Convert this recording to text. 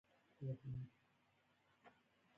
په کونړ کې هم تاریخي نښې شته